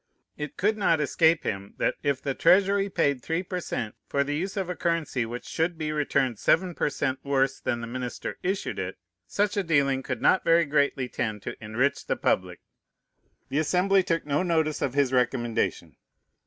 It could not escape him, that, if the Treasury paid three per cent for the use of a currency which should be returned seven per cent worse than the minister issued it, such a dealing could not very greatly tend to enrich the public. The Assembly took no notice of his recommendation.